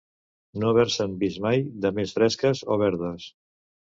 No haver-se'n vist mai de més fresques o verdes.